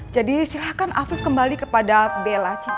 jadi silahkan afif kembali kepada bela cinta